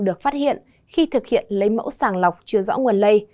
được phát hiện khi thực hiện lấy mẫu sàng lọc chưa rõ nguồn lây